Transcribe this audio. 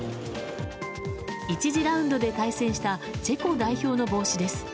１次ラウンドで対戦したチェコ代表の帽子です。